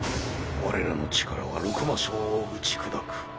我らの力は六魔将を打ち砕く。